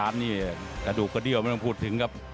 การ์ดนี่กระดูกกระดูกไม่ต้องพูดถึงครับ